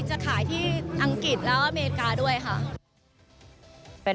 จะขายที่อังกฤษแล้วอเมริกาด้วยค่ะ